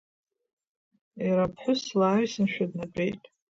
Иара аԥҳәыс лааҩсаншәа днатәеит.